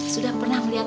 sudah pernah melihatnya